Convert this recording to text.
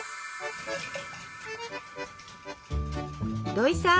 土井さん！